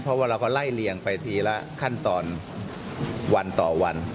เพราะว่าเราก็ไล่เลียงไปทีละขั้นตอนวันต่อวัน